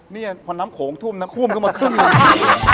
เนี่ยผ่อนน้ำโขงท่วมน้ำคว่ำก็มาครึ่งเนี่ย